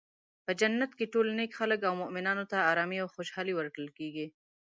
په جنت کې ټول نیک خلک او مومنانو ته ارامي او خوشحالي ورکړل کیږي.